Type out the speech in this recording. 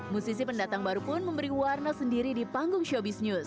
musisi pendatang baru pun memberi warna sendiri di panggung showbiz news